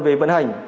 về vận hành